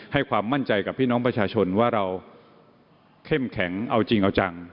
ความมั่นใจกับพี่น้องประชาชนว่าเราเข้มแข็งเอาจริงเอาจัง